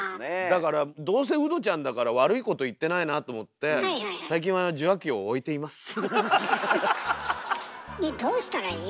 だからどうせウドちゃんだから悪いこと言ってないなと思ってねえどうしたらいい？